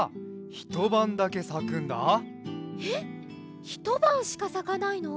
ひとばんしかさかないの？